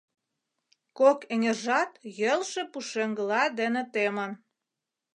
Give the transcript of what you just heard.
Кок эҥержат йӧрлшӧ пушеҥгыла дене темын.